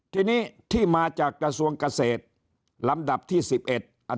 ที่นี้ที่มาจากกระทรวงเกษตร